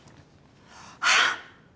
あっ！